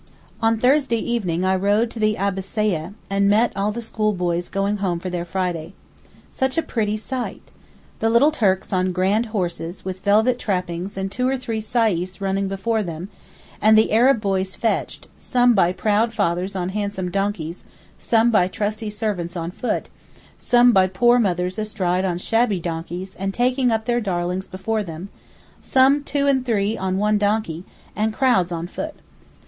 On Thursday evening I rode to the Abbassieh, and met all the schoolboys going home for their Friday. Such a pretty sight! The little Turks on grand horses with velvet trappings and two or three sais running before them, and the Arab boys fetched—some by proud fathers on handsome donkeys, some by trusty servants on foot, some by poor mothers astride on shabby donkeys and taking up their darlings before them, some two and three on one donkey, and crowds on foot.